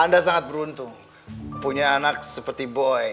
anda sangat beruntung punya anak seperti boy